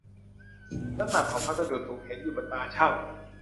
น้ำหนักของพัสดุถูกเห็นอยู่บนตาชั่ง